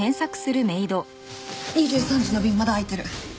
２３時の便まだ空いてる。